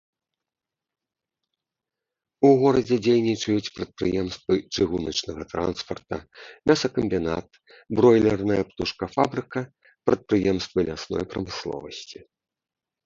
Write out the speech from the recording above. У горадзе дзейнічаюць прадпрыемствы чыгуначнага транспарта, мясакамбінат, бройлерная птушкафабрыка, прадпрыемствы лясной прамысловасці.